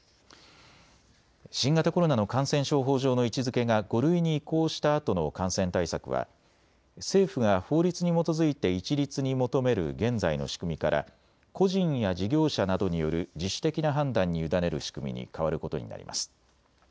新型コロナの感染症法上の位置づけが５類に移行したあとの感染対策は政府が法律に基づいて一律に求める現在の仕組みから個人や事業者などによる自主的な判断に委ねる仕組みに変わることになります。